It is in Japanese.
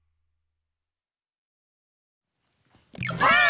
ばあっ！